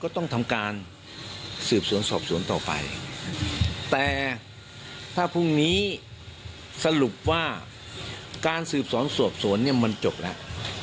แต่ถ้าพรุ่งนี้สรุปว่าการสืบสวนสอบสวนมันจบแล้ว